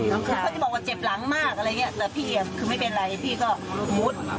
คือเขาจะบอกว่าเจ็บหลังมากอะไรอย่างนี้แต่พี่คือไม่เป็นไรพี่ก็มุด